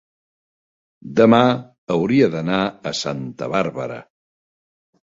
demà hauria d'anar a Santa Bàrbara.